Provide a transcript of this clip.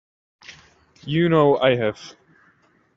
You know I have.